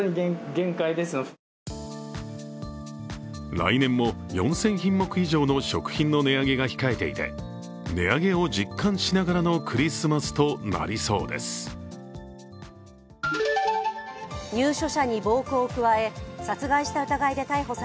来年も４０００品目以上の食品の値上げが控えていて、値上げを実感しながらのクリスマスとなりそうです。